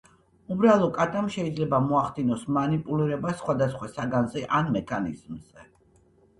უბრალო კატამ შეიძლება მოახდინოს მანიპულირება სხვადასხვა საგანზე ან მექანიზმზე.